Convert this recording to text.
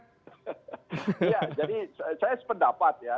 jadi saya sependapat ya